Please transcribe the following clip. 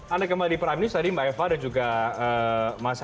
anda kembali di prime news tadi mbak eva dan juga mas adi